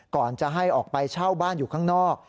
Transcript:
ก่อนจะให้ออกไปเช่าบ้านอยู่ข้างนอก